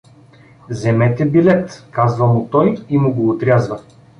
— Земете билет — казва му той и му го отрязва.